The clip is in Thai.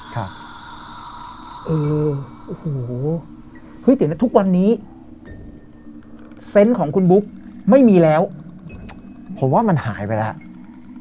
ครับเออโอ้โหเฮ้ยเดี๋ยวนะทุกวันนี้เซนต์ของคุณบุ๊กไม่มีแล้วผมว่ามันหายไปแล้ว